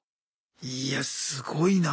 いやすごいな。